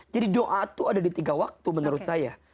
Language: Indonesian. jadi doa itu ada di tiga waktu menurut saya